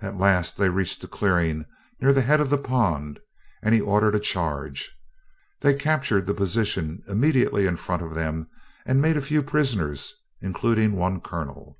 At last they reached a clearing near the head of the pond, and he ordered a charge. They captured the position immediately in front of them, and made a few prisoners, including one colonel.